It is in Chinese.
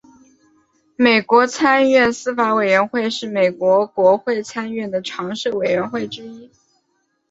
美国参议院司法委员会是美国国会参议院的常设委员会之一。